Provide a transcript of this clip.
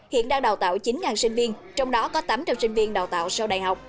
hiện đang đào tạo chín sinh viên trong đó có tám trăm linh sinh viên đào tạo sau đại học